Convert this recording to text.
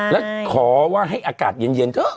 แล้วขอว่าให้อากาศเย็นเถอะ